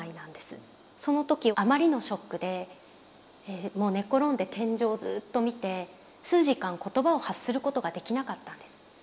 その時あまりのショックでもう寝転んで天井をずっと見て数時間言葉を発することができなかったんです。